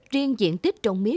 riêng diện tích trồng mía